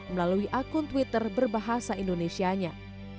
melalui akun twitter berbahasa indonesianya